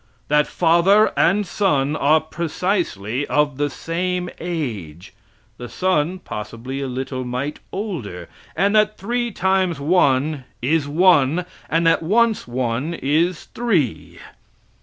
That father and son are precisely of the same age, the son, possibly, a little mite older; that three times one is one, and that once one is three.